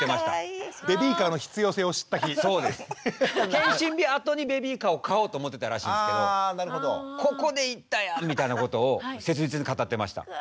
健診日あとにベビーカーを買おうと思ってたらしいんですけどここでいったやんみたいなことを切実に語ってました。